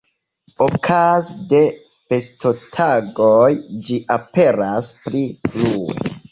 Okaze de festotagoj ĝi aperas pli frue.